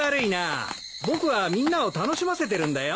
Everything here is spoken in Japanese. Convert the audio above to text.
僕はみんなを楽しませてるんだよ。